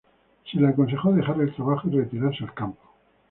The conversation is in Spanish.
Se le aconsejó dejar el trabajo y retirarse al campo.